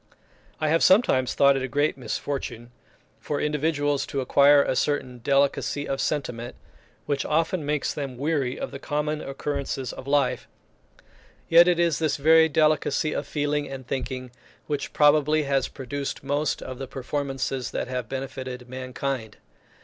I have sometimes thought it a great misfortune for individuals to acquire a certain delicacy of sentiment, which often makes them weary of the common occurrences of life; yet it is this very delicacy of feeling and thinking which probably has produced most of the performances that have benefited mankind.